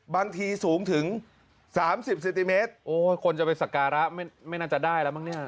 บางทีสูงถึง๓๐เซนติเมตรโอ้ยคนจะไปสักการะไม่น่าจะได้แล้วมั้งเนี่ย